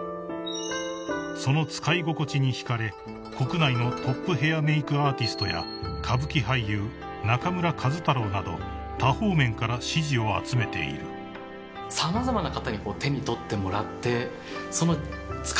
［その使い心地に引かれ国内のトップヘアメークアーティストや歌舞伎俳優中村壱太郎など多方面から支持を集めている］と自分でも思いますね。